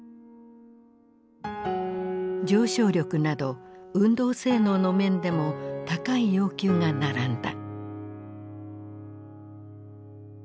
上昇力など運動性能の面でも高い要求が並んだ。